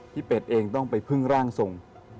เป็ดเองต้องไปพึ่งร่างทรง